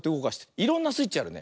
いろんなスイッチあるね。